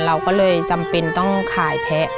เราก็เลยจำเป็นต้องขายแพะ